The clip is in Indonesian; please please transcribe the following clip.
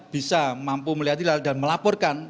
bisa mampu melihat hilal dan melaporkan